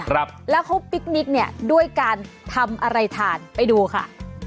แล้วเขาพิกนิกด้วยการทำอะไรทานไปดูค่ะ